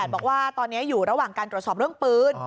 บอกว่าตอนนี้อยู่ระหว่างการตรวจสอบเรื่องปืน